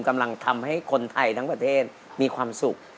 กำลังทำให้คนไทยทั้งประเทศมีความสุข